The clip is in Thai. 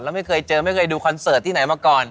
แล้วไม่เคยเจอไม่เคยดูคอนเสิร์ตที่ไหนมาก่อน